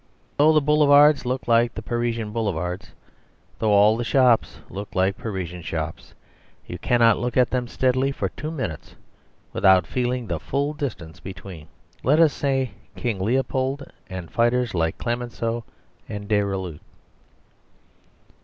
Though all the boulevards look like Parisian boulevards, though all the shops look like Parisian shops, you cannot look at them steadily for two minutes without feeling the full distance between, let us say, King Leopold and fighters like Clemenceau and Deroulède.